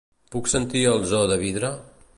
Puc sentir "El zoo de vidre"?